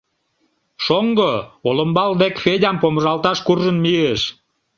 Шоҥго олымбал дек Федям помыжалташ куржын мийыш.